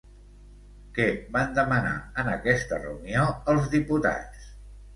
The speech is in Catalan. Què van demanar en aquesta reunió els diputats?